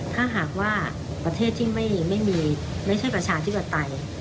ถ้าหากว่าประเทศที่ไม่มีไม่ใช่ประชาธิปไตย